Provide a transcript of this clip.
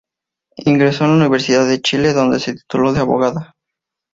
Ingresó en la Universidad de Chile, donde se tituló de abogada.